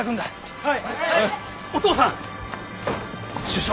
はい。